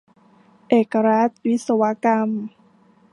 เอกรัฐวิศวกรรม